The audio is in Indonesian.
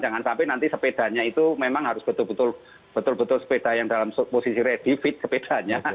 jangan sampai nanti sepedanya itu memang harus betul betul sepeda yang dalam posisi ready fit sepedanya